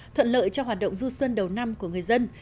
thuận lợi cho hoạt động du xuân đầu năm của người dân